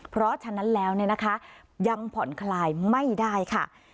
เพราะฉะนั้นแล้วเนี่ยนะคะยังผ่อนคลายไม่ได้ค่ะ